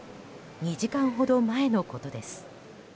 ２時間ほど前のことです。